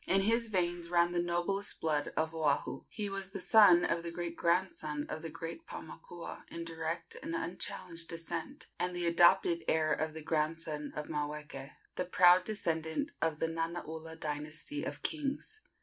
In his veins ran the noblest blood of Oahu. He was the son of the great grandson of the great Paumakua in direct and unchallenged descent, and the adopted heir of the grandson of Maweke, the proud descendant of the Nanaula dynasty of kings.